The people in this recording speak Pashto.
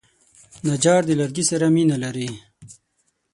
نجار د لرګي سره مینه لري.